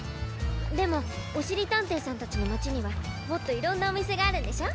でもおしりたんていさんたちのまちにはもっといろんなおみせがあるんでしょう？